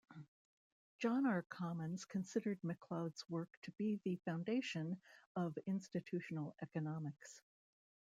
John R. Commons considered Macleod's work to be the foundation of Institutional economics.